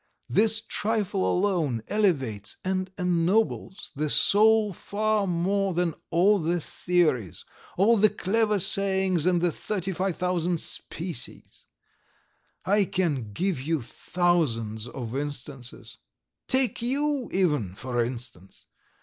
This trifle alone elevates and ennobles the soul far more than all the theories, all the clever sayings and the 35,000 species. I can give you thousands of instances. Take you, even, for instance!